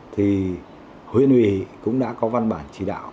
thì huyện huy cũng đã có văn bản